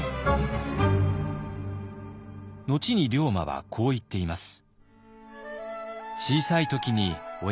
後に龍馬はこう言っています。